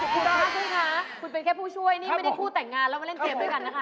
คุณเป็นแค่ผู้ช่วยไม่ได้คู่แต่งงานเรามาเล่นเทปด้วยกันนะคะ